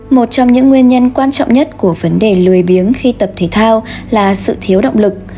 một trong những nguyên nhân quan trọng nhất của vấn đề lười biếng khi tập thể thao là sự thiếu động lực